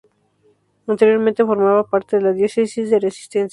Anteriormente formaba parte de la diócesis de Resistencia.